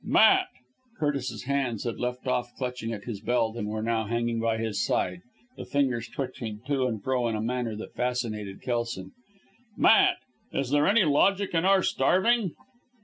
"Matt!" Curtis's hands had left off clutching at his belt and were now hanging by his side; the fingers twitching to and fro in a manner that fascinated Kelson. "Matt! Is there any logic in our starving?"